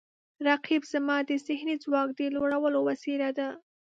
رقیب زما د ذهني ځواک د لوړولو وسیله ده